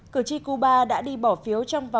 cử tri cuba đã đi bỏ phiếu